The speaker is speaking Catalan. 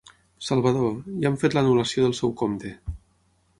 Salvador, ja hem fet l'anul·lació del seu compte.